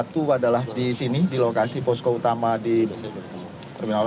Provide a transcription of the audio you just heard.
satu adalah di sini di lokasi posko utama di terminal satu